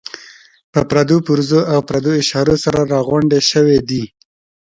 په پردو پرزو او پردو اشارو سره راغونډې شوې دي.